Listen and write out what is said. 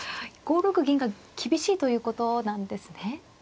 ５六銀が厳しいということなんですね。